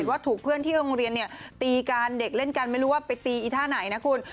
ว่าถูกเพื่อนที่โรงเรียนเนี่ยตีกันเด็กเล่นกันไม่รู้ว่าไปตีอีท่าไหนนะคุณ